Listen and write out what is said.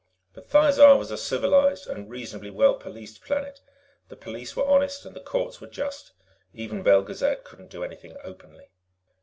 But Thizar was a civilized and reasonably well policed planet; the police were honest and the courts were just. Even Belgezad couldn't do anything openly.